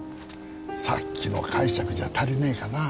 さっきの解釈じゃ足りねえかな？